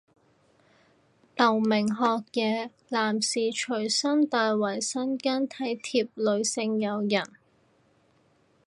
留名學嘢，男士隨身帶衛生巾體貼女性友人